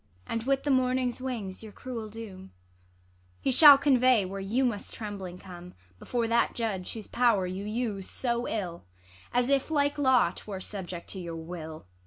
ISAB. And with the morning's wings your cruel doom He shall convey where you must trembling come, Before that judge, whose pow'r you use so ill, As if, like law, 'twere subject to your Avill.